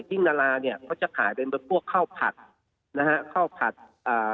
ยิ่งนาราเนี้ยเขาจะขายเป็นพวกข้าวผัดนะฮะข้าวผัดอ่า